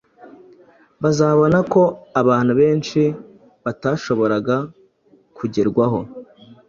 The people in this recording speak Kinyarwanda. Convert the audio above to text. bazabona ko abantu benshi batashoboraga kugerwaho